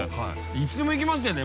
いつでもいけますよね